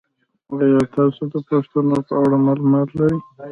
ایا تاسو د پښتنو په اړه معلومات لرئ؟